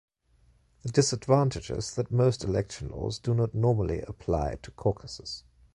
The disadvantage is that most election laws do not normally apply to caucuses.